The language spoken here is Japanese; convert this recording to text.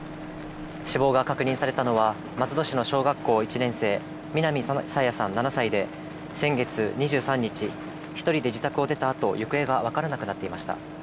死亡が確認されたのは、松戸市の小学校１年生、南朝芽さん７歳で、先月２３日、１人で自宅を出たあと、行方が分からなくなっていました。